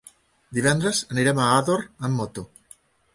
Divendres anirem a Ador amb moto.